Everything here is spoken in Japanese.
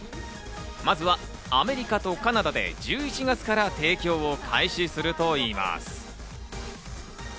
まずはアメリカとカナダで１１月から提供を開始するといいます。